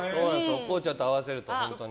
お紅茶と合わせると本当に。